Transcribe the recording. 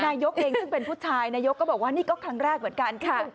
นายกเองซึ่งเป็นผู้ชายนายกก็บอกว่านี่ก็ครั้งแรกเหมือนกันค่ะ